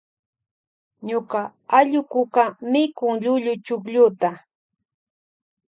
Ñuka allukuka mikun llullu chuklluta.